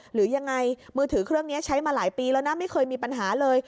หรือยังไงมือถือเครื่องนี้ใช้มาหลายปีแล้วนะไม่เคยมีปัญหาเลย